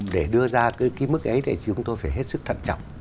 để đưa ra cái mức ấy thì chúng tôi phải hết sức thận trọng